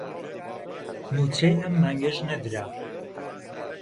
مووچەی ئەم مانگەش نەدرا